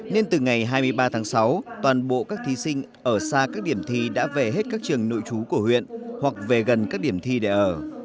nên từ ngày hai mươi ba tháng sáu toàn bộ các thí sinh ở xa các điểm thi đã về hết các trường nội trú của huyện hoặc về gần các điểm thi để ở